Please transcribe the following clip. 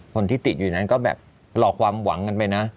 คนที่ติดอยู่นั้นก็แบบหลอกความหวังกันไปนะ